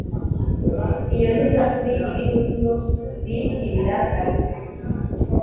iyo ni zaburi iri mu zo bitirira dawudi